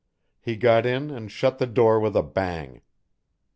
He got in and shut the door with a bang.